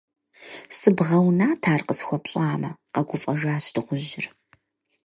Сыбгъэунат, ар къысхуэпщӀамэ, - къэгуфӀэжащ дыгъужьыр.